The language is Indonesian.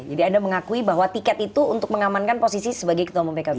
jadi anda mengakui bahwa tiket itu untuk mengamankan posisi sebagai ketua omong pkb